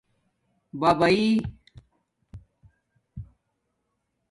بباݵئ